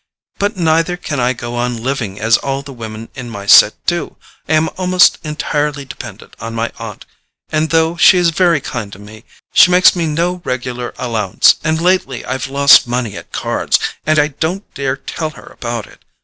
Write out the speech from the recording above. But neither can I go on living as all the women in my set do. I am almost entirely dependent on my aunt, and though she is very kind to me she makes me no regular allowance, and lately I've lost money at cards, and I don't dare tell her about it.